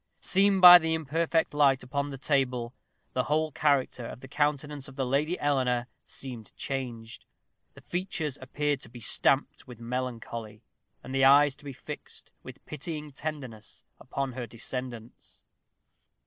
Seen by the imperfect light upon the table, the whole character of the countenance of the Lady Eleanor seemed changed; the features appeared to be stamped with melancholy, and the eyes to be fixed with pitying tenderness upon her descendants.